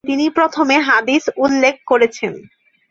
তিনি প্রথমে হাদীস উল্লেখ করেছেন।